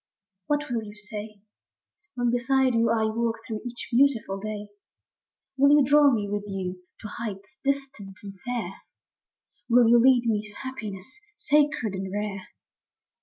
What will you say When beside you I walk through each beautiful day? Will you draw me with you to heights distant and fair ? Will you lead me to happiness sacred and rare